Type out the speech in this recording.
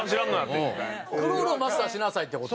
クロールをマスターしなさいって事？